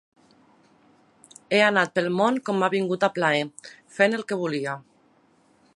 He anat pel món com m’ha vingut a plaer, fent el que volia.